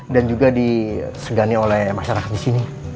dan juga disegani oleh masyarakat disini